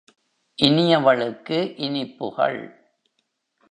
இனியவளுக்கு இனிப்புகள்